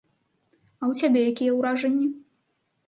А ў цябе якія ўражанні?